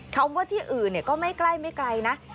คำว่าที่อื่นก็ไม่ไกลนะ